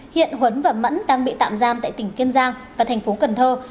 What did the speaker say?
hiện huấn và mẫn đang bị tạm giam tại tỉnh kiên giang và thành phố cần thơ